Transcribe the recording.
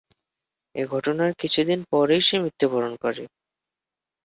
এ ঘটনার কিছুদিন পরেই সে মৃত্যুবরণ করে।